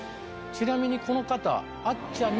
ちなみにこの方。